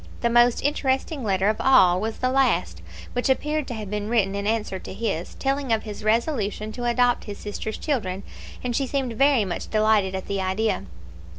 The most interesting letter of all was the last, which appeared to have been written in answer to his, telling of his resolution to adopt his sister's children; and she seemed very much delighted at the idea.